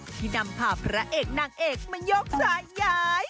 ที่นำพาพระเอกนางเอกมายกสายย้าย